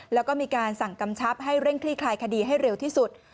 แล้วก็มีการสั่งกำชับให้เร่งคลี่คลายคดีให้เร็วที่สุด